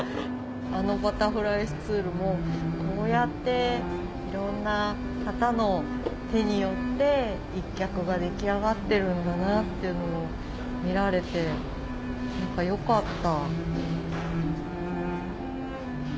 あのバタフライスツールもこうやっていろんな方の手によって１脚が出来上がってるんだなっていうのを見られて何かよかった。